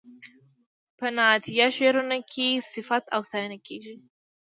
په نعتیه شعرونو کې صفت او ستاینه کیږي.